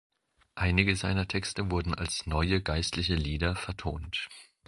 Einige seiner Texte wurden als „neue geistliche Lieder“ vertont.